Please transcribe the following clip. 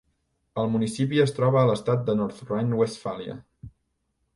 El municipi es troba a l'estat de North Rhine-Westphalia.